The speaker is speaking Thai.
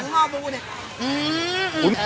ห้อมูน่ะ